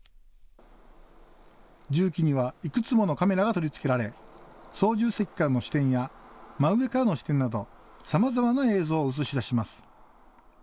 重機にはいくつものカメラが取り付けられ操縦席からの視点や真上からの視点などさまざまな映像を映し出します。